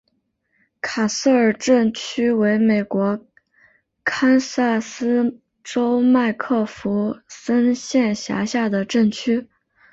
卡斯尔镇区为美国堪萨斯州麦克弗森县辖下的镇区。